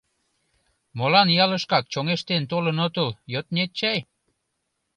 — Молан ялышкак чоҥештен толын отыл, йоднет чай?